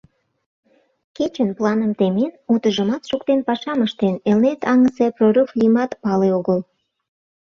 Кечын планым темен, утыжымат шуктен пашам ыштен, Элнет аҥысе прорыв лиймат пале огыл.